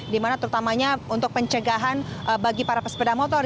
di mana terutamanya untuk pencegahan bagi para pesepeda motor